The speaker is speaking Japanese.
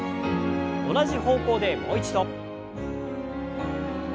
同じ方向でもう一度。